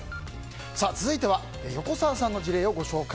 続いては横澤さんの事例です。